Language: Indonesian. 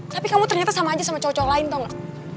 tapi kamu ternyata sama aja sama cowok cowok lain tonga